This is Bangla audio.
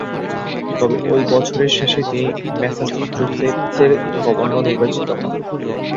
তবে ওই বছরের শেষে তিনি ম্যাসাচুসেটসের গভর্নর নির্বাচিত হন।